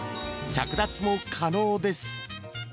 着脱も可能です。